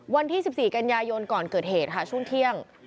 วันที่๑๔กันยายนก่อนเกิดเหตุค่ะช่วงเที่ยง